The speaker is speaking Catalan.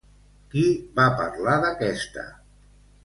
Qui va parlar d'aquesta?